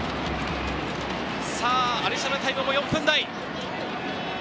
アディショナルタイムも４分台。